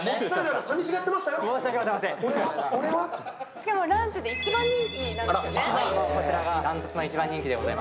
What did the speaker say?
しかもランチで一番人気なんですよね。